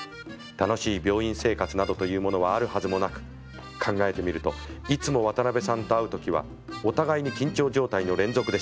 楽しい病院生活などというものはあるはずもなく考えてみるといつも渡辺さんと会う時はお互いに緊張状態の連続でしたが。